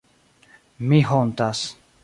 Mi hontas.